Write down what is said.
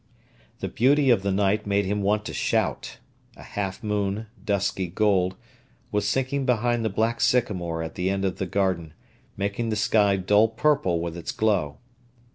The beauty of the night made him want to shout. A half moon, dusky gold, was sinking behind the black sycamore at the end of the garden, making the sky dull purple with its glow.